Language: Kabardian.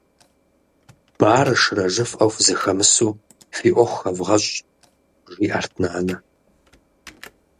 Барэ-шырэ жыфӏэу фызэхэмысу фи ӏуэху хэвгъэщӏ, - шхыдэрт нанэ.